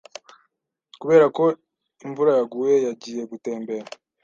Kubera ko imvura yaguye, yagiye gutembera.